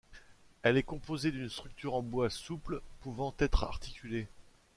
Elle est composée d’une structure en bois souple, pouvant être articulée.